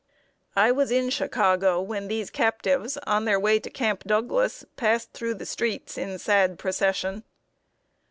I was in Chicago when these captives, on their way to Camp Douglas, passed through the streets in sad procession.